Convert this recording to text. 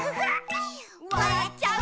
「わらっちゃう」